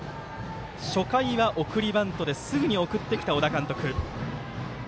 初回は送りバントですぐに送ってきた小田監督。